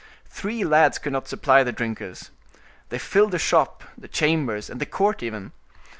Three lads could not supply the drinkers. They filled the shop, the chambers, and the court, even.